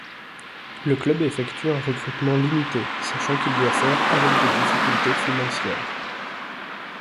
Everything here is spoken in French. Le club effectue un recrutement limité, sachant qu'il doit faire avec des difficultés financières.